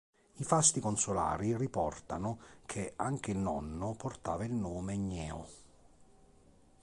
I fasti consolari riportano che anche il nonno portava il nome Gneo.